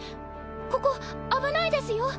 ここ危ないですよ。